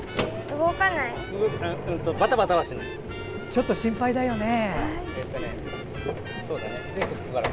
ちょっと心配だよね。